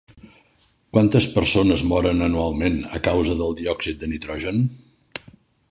Quantes persones moren anualment a causa del diòxid de nitrogen?